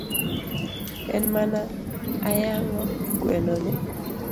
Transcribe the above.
An mane ayang'o gweno ni